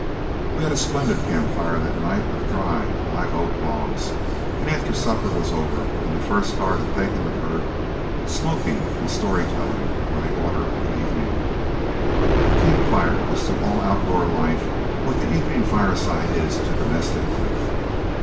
We had a splendid camp fire that night, of dry live oak logs, and after supper was over and the first guard had taken the herd, smoking and story telling were the order of the evening. The camp fire is to all outdoor life what the evening fireside is to domestic life.